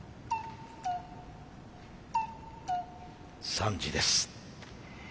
３時です。